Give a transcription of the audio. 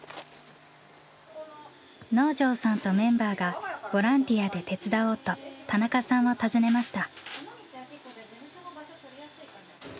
能條さんとメンバーがボランティアで手伝おうと田中さんを訪ねました。